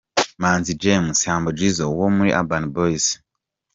Manzi James: Humble Jizzo wo muri Urban Boyz.